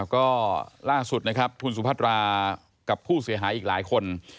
ก็ล่าสุดนะครับคุณสุพัตรากับผู้เสียหายอีกหลายคน